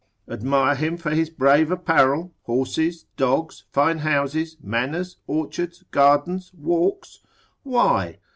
admire him for his brave apparel, horses, dogs, fine houses, manors, orchards, gardens, walks? Why?